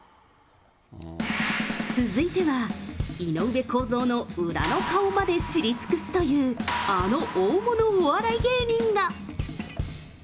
続いては、井上公造の裏の顔まで知り尽くすという、あの大物お笑い芸人が。